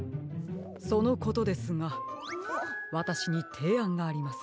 そのことですがわたしにていあんがあります。